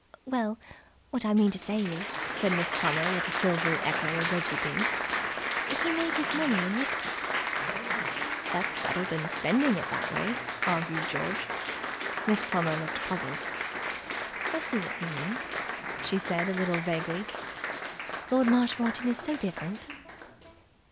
"Well, what I mean to say is," said Miss Plummer, with a silvery echo of Reggie Byng, "he made his money in whisky." "That's better than spending it that way," argued George. Miss Plummer looked puzzled. "I see what you mean," she said a little vaguely. "Lord Marshmoreton is so different."